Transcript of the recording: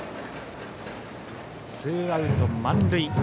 ツーアウト満塁。